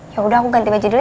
yaudah aku ganti baju dulu ya